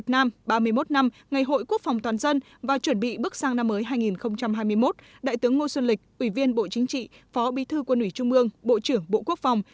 ngày hội quốc phòng toàn dân và chuẩn bị bước sang năm mới hai nghìn hai mươi một đại tướng ngô xuân lịch ủy viên bộ chính trị phó bí thư quân ủy trung mương bộ trưởng bộ quốc phòng